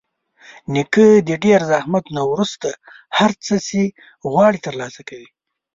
نیکه د ډېر زحمت نه وروسته هر څه چې غواړي ترلاسه کوي.